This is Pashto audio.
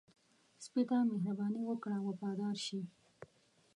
سپي ته مهرباني وکړه، وفاداره شي.